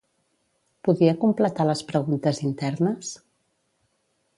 Podia completar les preguntes internes?